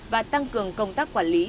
và tăng cường công tác quản lý